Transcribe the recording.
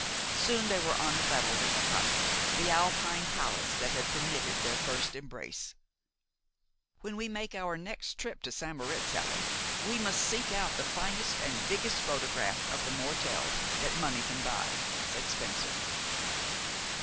Soon they were on a level with the hut, the Alpine palace that had permitted their first embrace. "When we make our next trip to St. Moritz, Helen, we must seek out the finest and biggest photograph of the Mortel that money can buy," said Spencer.